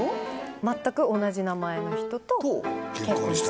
全く同じ名前の人と結婚した。